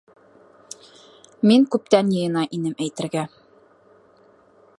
- Мин күптән йыйына инем әйтергә.